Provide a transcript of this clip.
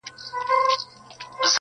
مخا مخ ورته چا نه سو ورکتلای٫